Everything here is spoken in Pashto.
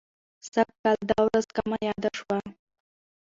سږ کال دا ورځ کمه یاده شوه.